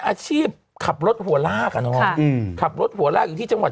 อาชีพขับรถหัวลากอ่ะเนาะอืมขับรถหัวลากอยู่ที่จังหวัด